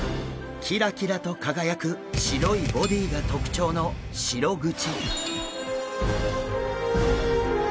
キラキラと輝く白いボディーが特徴のシログチ。